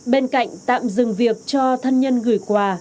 bên cạnh tạm dừng việc cho thân nhân gửi quà